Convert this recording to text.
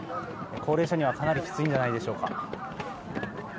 高齢者にはかなりきついんじゃないでしょうか？